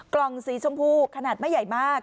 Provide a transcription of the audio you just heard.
สีชมพูขนาดไม่ใหญ่มาก